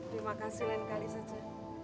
terima kasih lain kali saja